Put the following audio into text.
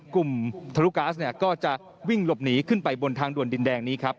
ทะลุก๊าซเนี่ยก็จะวิ่งหลบหนีขึ้นไปบนทางด่วนดินแดงนี้ครับ